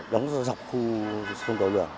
đóng dọc khu sông đầu nường